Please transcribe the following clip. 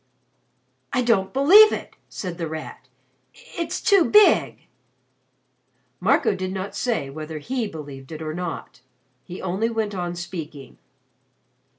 "I don't believe it!" said The Rat. "It's too big!" Marco did not say whether he believed it or not. He only went on speaking.